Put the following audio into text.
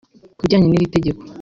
Ku bijyanye n’iri tegeko